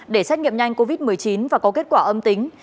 để xét nghiệm nhanh covid một mươi chín và có kết quả âm tính